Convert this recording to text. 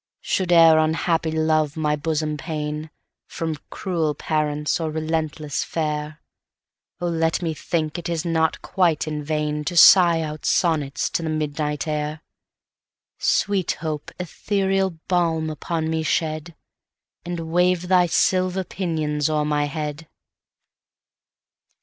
Should e'er unhappy love my bosom pain, From cruel parents, or relentless fair;O let me think it is not quite in vainTo sigh out sonnets to the midnight air! Sweet Hope, ethereal balm upon me shed, And wave thy silver pinions o'er my head!